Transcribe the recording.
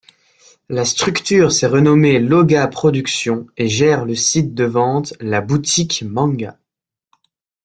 La structure s'est renommé Loga-Production et gère le site de vente La Boutique Manga.